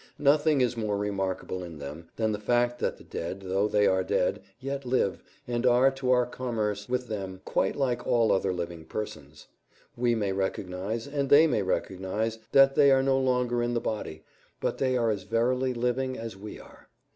Nothing is more remarkable in them than the fact that the dead, though they are dead, yet live, and are, to our commerce with them, quite like all other living persons. We may recognize, and they may recognize, that they are no longer in the body, but they are as verily living as we are.